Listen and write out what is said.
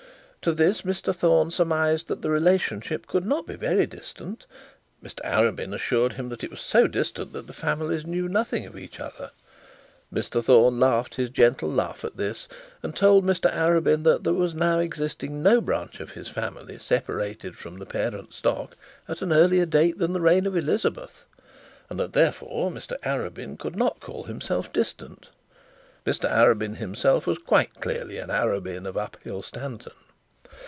To this Mr Thorne surmised that the relationship could not be very distant. Mr Arabin assured him that it was so distant that the families knew nothing of each other. Mr Thorne laughed his gentle laugh at this, and told Mr Arabin that there was not existing no branch of his family separated from the parent stock at an earlier date than the reign of Elizabeth; and that therefore Mr Arabin could not call himself distant. Mr Arabin himself was quite clearly an Arabin of Uphill Stanton.